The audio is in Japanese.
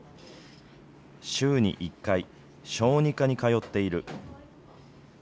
週に１回、小児科に通っている。